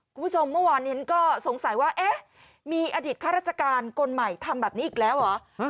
คุณผู้ชมเมื่อวานนี้ก็สงสัยว่าเอ๊ะมีอดีตข้าราชการคนใหม่ทำแบบนี้อีกแล้วเหรอ